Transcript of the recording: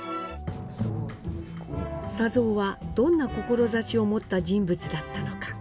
佐三はどんな志を持った人物だったのか。